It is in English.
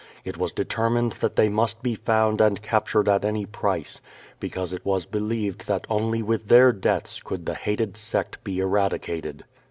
It was determined that they must be found and captured at any price, because it was believed that only witii their deaths could the hated sect be eradicated.